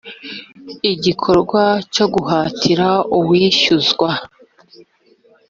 igikorwa cyo guhatira uwishyuzwa